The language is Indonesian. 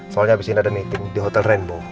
soalnya abis ini ada meeting di hotel rainbow